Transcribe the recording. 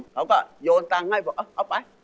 เขาก็โยนตังค์ให้บอกเอาไป